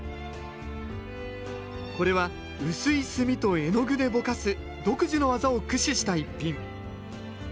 これは薄い墨と絵の具でぼかす独自の技を駆使した逸品。